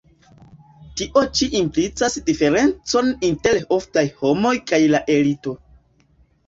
Tio ĉi implicas diferencon inter oftaj homoj kaj la elito.